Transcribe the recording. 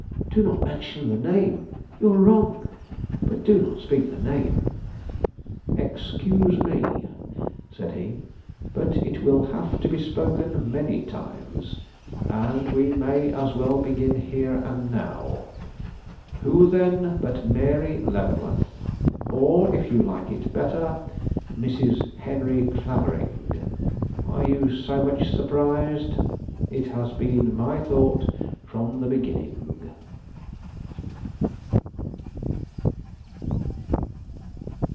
"Do not mention the name! You are wrong; but do not speak the name." "Excuse me," said he; "but it will have to be spoken many times, and we may as well begin here and now who then but Mary Leavenworth; or, if you like it better, Mrs. Henry Clavering? Are you so much surprised? It has been my thought from the beginning."